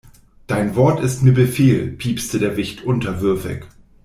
Dein Wort ist mir Befehl, piepste der Wicht unterwürfig.